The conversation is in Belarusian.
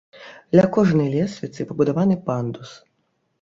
Ля кожнай лесвіцы пабудаваны пандус.